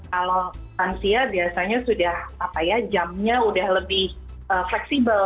kalau lansia biasanya sudah apa ya jamnya sudah lebih fleksibel